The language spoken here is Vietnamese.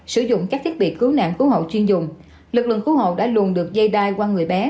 sử dụng các thiết bị cứu nạn cứu hộ chuyên dùng lực lượng cứu hộ đã luồn được dây đai qua người bé